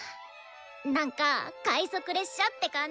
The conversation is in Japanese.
なんか快速列車って感じ！